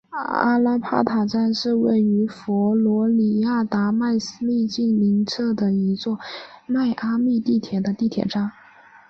阿拉帕塔站是位于佛罗里达州迈阿密近邻社区的一座迈阿密地铁的地铁站。